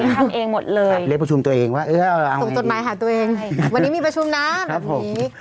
ค่ะตอนนี้ทำเองหมดเลยส่งจุดหมายหาตัวเองวันนี้มีประชุมนะแบบนี้